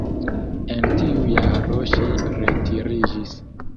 En tiu jaro ŝi retiriĝis.